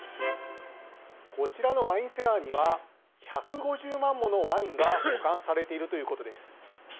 こちらにワインセラーには１５０万ものワインが保管されているということです。